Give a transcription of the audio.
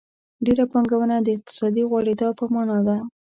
ډېره پانګونه د اقتصادي غوړېدا په مانا ده.